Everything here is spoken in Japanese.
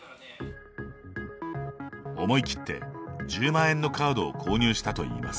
思い切って１０万円のカードを購入したといいます。